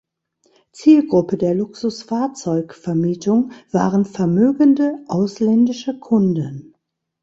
Zielgruppe der Luxusfahrzeug-Vermietung waren vermögende ausländische Kunden.